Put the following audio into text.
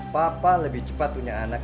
papa lebih cepat punya anak